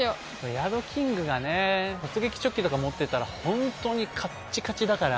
ヤドキングがねとつげきチョッキとか持ってたらホントにカッチカチだから。